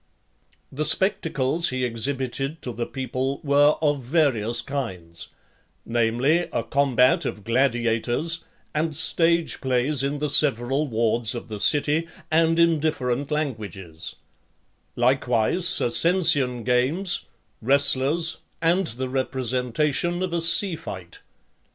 XXXIX. The spectacles he exhibited to the people were of various kinds; namely, a combat of gladiators , and stage plays in the several wards of the city, and in different languages; likewise Circensian games , wrestlers, and the representation of a sea fight.